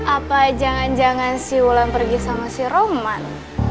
apa jangan jangan si wulan pergi sama si roman